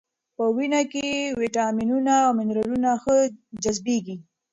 په وینه کې ویټامینونه او منرالونه ښه جذبېږي.